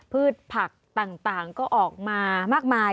พืชผักต่างก็ออกมามากมาย